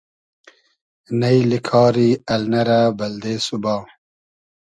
نݷلی کاری النۂ رۂ بئلدې سوبا